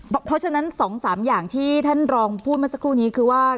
เพราะฉะนั้น๒๓อย่างที่ท่านรองพูดมาสักครู่นี้คือว่า